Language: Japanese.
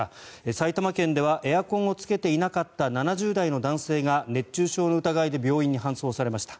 埼玉県ではエアコンをつけていなかった７０代の男性が熱中症の疑いで病院に搬送されました。